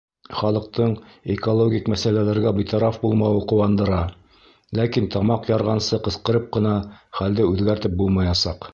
Халыҡтың экологик мәсьәләләргә битараф булмауы ҡыуандыра, ләкин тамаҡ ярғансы ҡысҡырып ҡына хәлде үҙгәртеп булмаясаҡ.